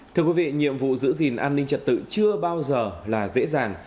thưa quý vị nhiệm vụ giữ gìn an ninh trật tự chưa bao giờ là dễ dàng